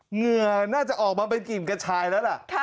เหงื่อน่าจะออกมาเป็นกลิ่นกระชายแล้วล่ะ